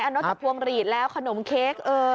อันนั้นจับพวงหลีดแล้วขนมเค้ก